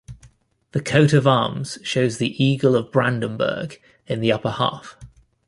The coat of arms shows the eagle of Brandenburg in the upper half.